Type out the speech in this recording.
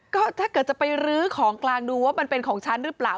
ก็ถ้าเกิดจะไปรื้อของกลางดูว่ามันเป็นของฉันหรือเปล่า